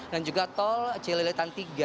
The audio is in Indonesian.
dan juga tol celilitan tiga